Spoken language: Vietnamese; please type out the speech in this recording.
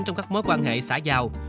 trong các mối quan hệ xã giao